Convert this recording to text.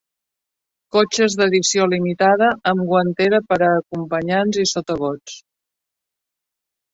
Cotxes d'edició limitada amb guantera per a acompanyants i sotagots.